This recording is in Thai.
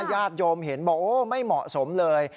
ญาติโยมเห็นบอกโอ้ไม่เหมาะสมเลย